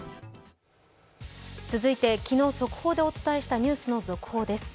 続いて、昨日、速報でお伝えしたニュースの続報です。